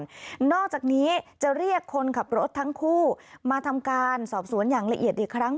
นอกจากนี้จะเรียกคนขับรถทั้งคู่มาทำการสอบสวนอย่างละเอียดอีกครั้ง